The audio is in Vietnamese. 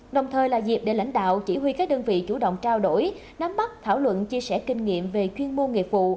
đồng thời là dịp để lãnh đạo chỉ huy các đơn vị chủ động trao đổi nắm bắt thảo luận chia sẻ kinh nghiệm về chuyên môn nghiệp vụ